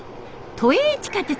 都営地下鉄